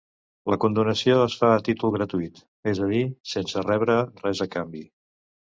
La condonació es fa a títol gratuït, és a dir, sense rebre res a canvi.